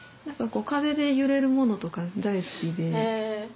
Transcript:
何かこう風で揺れるものとか大好きで。